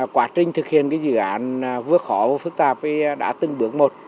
quả trình thực hiện dự án vượt khỏi và phức tạp đã từng bước một